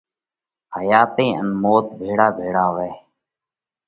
حياتئِي ان موت ڀيۯا ڀيۯا وئه۔